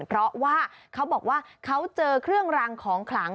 เพราะว่าเขาบอกว่าเขาเจอเครื่องรางของขลัง